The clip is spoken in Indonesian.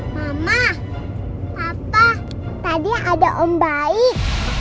mama papa tadi ada om baik